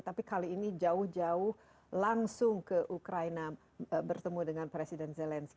tapi kali ini jauh jauh langsung ke ukraina bertemu dengan presiden zelensky